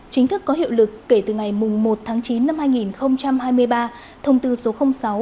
chính thức có hiệu lực kể từ ngày một chín hai nghìn hai mươi ba thông tư số sáu